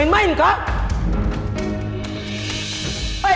hei siapa yang lempar beta ini